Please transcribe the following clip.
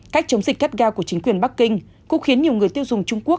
cách chống dịch cắt ga của chính quyền bắc kinh cũng khiến nhiều người tiêu dùng trung quốc